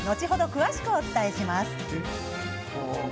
詳しくお伝えします。